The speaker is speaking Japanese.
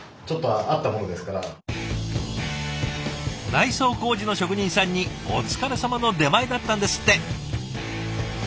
内装工事の職人さんにお疲れさまの出前だったんですって。